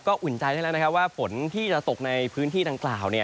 อุ่นใจได้แล้วนะครับว่าฝนที่จะตกในพื้นที่ดังกล่าว